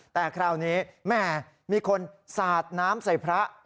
แต่คราวนี้แม่มีคนสาดน้ำใส่พระ